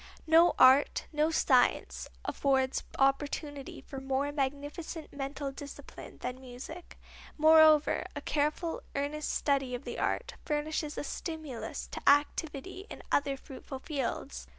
No art, no science, affords opportunity for more magnificent mental discipline than music. Moreover, a careful, earnest study of the art furnishes a stimulus to activity in other fruitful fields.